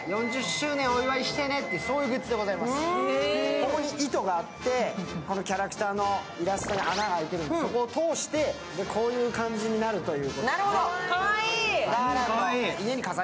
ここに糸があって、キャラクターのイラストに穴が開いててそこを通して、こういう感じになるという。